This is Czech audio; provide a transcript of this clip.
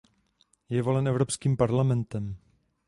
Je volen Evropským parlamentem.